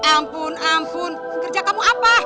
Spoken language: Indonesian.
ampun ampun kerja kamu apa